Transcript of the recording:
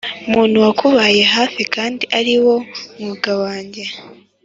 muntu wakubaye hafi kandi ariwo mwuga wanjye,